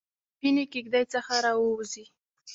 سپینې کیږ دۍ څخه راووزي